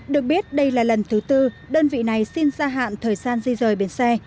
được biết đây là lần thứ tư đơn vị này xin gia hạn thời gian di rời bến xe